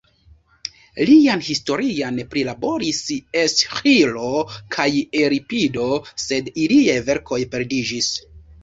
Lian historion prilaboris Esĥilo kaj Eŭripido, sed iliaj verkoj perdiĝis.